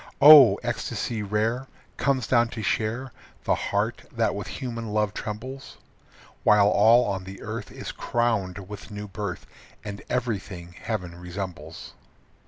Oh! ecstasy rare Comes down to share The heart that with human love trembles; While all on the earth Is crowned with new birth And everything heaven resembles.